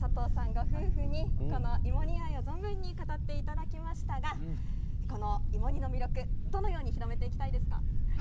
ご夫婦に芋煮愛を存分に語っていただきましたが芋煮の魅力どのように広めていきたいですか。